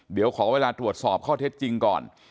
เดี๋ยวขอเวลาตรวจสอบข้อเท็จจริงก่อน